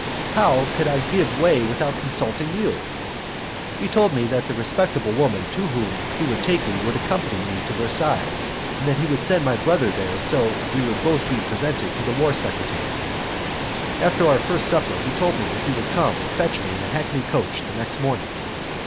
How could I give way without consulting you? He told me that the respectable woman to whom he would take me would accompany me to Versailles, and that he would send my brother there so that we should be both presented to the war secretary. After our first supper he told me that he would come and fetch me in a hackney coach the next morning.